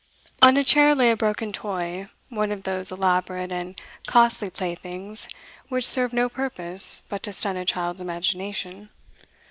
On a chair lay a broken toy, one of those elaborate and costly playthings which serve no purpose but to stunt a child's imagination.